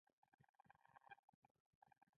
ولې د کفر مقابله زموږ لپاره ناممکنه بریښي؟